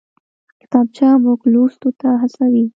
کتابچه موږ لوستو ته هڅوي